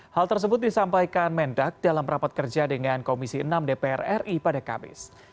hal tersebut disampaikan mendak dalam rapat kerja dengan komisi enam dpr ri pada kamis